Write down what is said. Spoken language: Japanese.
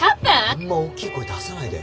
あんま大きい声出さないで。